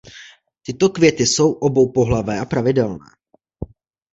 Tyto květy jsou oboupohlavné a pravidelné.